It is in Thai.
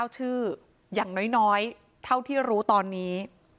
๙ชื่ออย่างน้อยเท่าที่รู้ตอนนี้